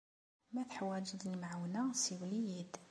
Ma teḥwaǧeḍ lemɛawna, siwel-iyi-d.